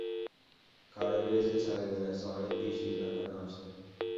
Koronavirusga chalinganlar soni besh yuz nafardan oshdi